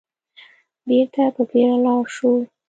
بېرته په بيړه ولاړ شو.